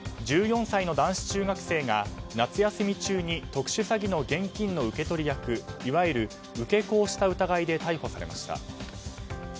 １４歳の男子中学生が夏休み中に特殊詐欺の現金の受け取り役いわゆる受け子をした疑いで逮捕されました。